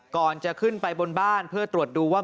ก่อนจะขึ้นไปบนบ้านเพื่อตรวจดูว่า